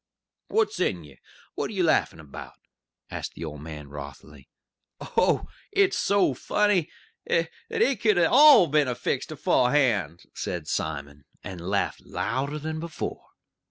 "What's in ye? What are ye laughin' about?" asked the old man wrothily. "Oh, it's so funny that it could all 'a' been fixed aforehand!" said Simon, and laughed louder than before.